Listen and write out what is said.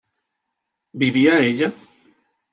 ¿vivía ella?